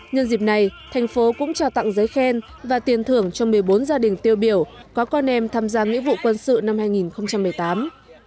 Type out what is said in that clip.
nhân dịp này thành phố cũng trao tặng giấy khen và tiền thưởng cho một mươi bốn gia đình tiêu biểu có con em tham gia nghĩa vụ quân sự năm hai nghìn một mươi tám